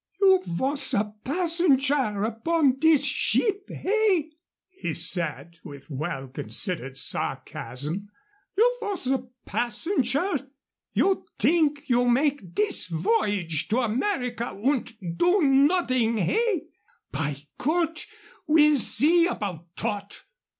"You vhos a passenger upon dis schip, hey?" he said, with well considered sarcasm. "You vhos a passenger? You t'ink you make dis voyage to America und do noding, eh? By Cott! we'll see about dot."